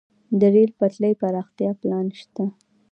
د ریل پټلۍ پراختیا پلان شته